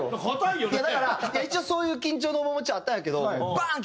いやだから一応そういう緊張の面持ちあったんやけどバーン！